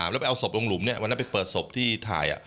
แล้วไปเอาศพลงหลุมวันนั้นไปเปิดศพที่ถ่าย